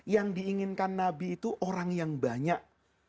yang diinginkan nabi itu orang yang banyak